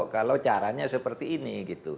kalau caranya seperti ini